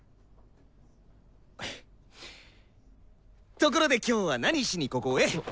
ところで今日は何しにここへ？